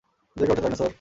জেগে ওঠো, ডাইনোসর।